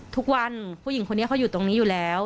ทุกวันผู้หญิงคนนี้เขาอยู่ตรงนี้อยู่แล้ว